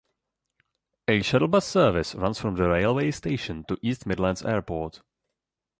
A shuttle bus service runs from the railway station to East Midlands Airport.